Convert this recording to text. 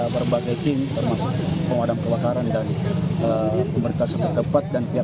berapa lama tadi proses pekuasinya